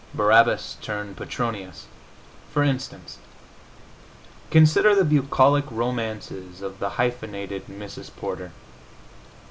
Barabbas turned Petronius! For instance, consider the bucolic romances of the hyphenated Mrs. Porter.